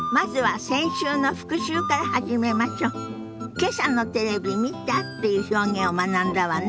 「けさのテレビ見た？」っていう表現を学んだわね。